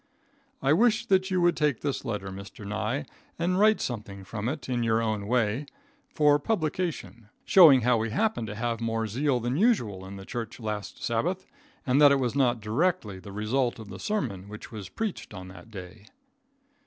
I wish that you would take this letter, Mr. Nye, and write something from it in your own way, for publication, showing how we happened to have more zeal than usual in the church last Sabbath, and that it was not directly the result of the sermon which was preached on that day.